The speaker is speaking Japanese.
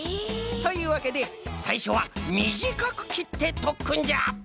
というわけでさいしょはみじかくきってとっくんじゃ！